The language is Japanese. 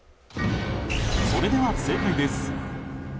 それでは正解です。